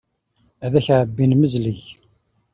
Ad ak-ɛebbin, mezleg.